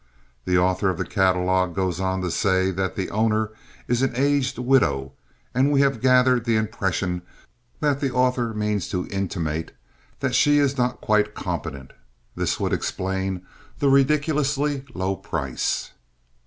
The author of the catalogue goes on to say that "the owner is an aged widow," and we have gathered the impression that the author means to intimate that she is not quite competent. This would explain the ridiculously low price.